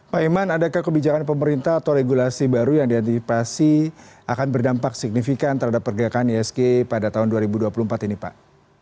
pak iman adakah kebijakan pemerintah atau regulasi baru yang diantisipasi akan berdampak signifikan terhadap pergerakan isg pada tahun dua ribu dua puluh empat ini pak